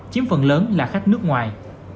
chiếm phần lớn là khách nước ngoài